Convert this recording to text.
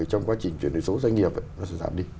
trong quá trình chuyển đổi số doanh nghiệp